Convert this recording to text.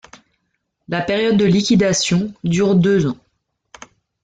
La période de liquidation dure deux ans.